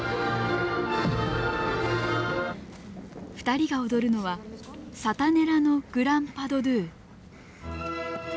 ２人が踊るのは「サタネラ」のグラン・パ・ド・ドゥ。